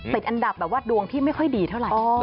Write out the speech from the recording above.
อันดับแบบว่าดวงที่ไม่ค่อยดีเท่าไหร่